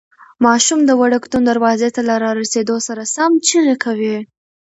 ماشوم د وړکتون دروازې ته له رارسېدو سره سم چیغې کوي.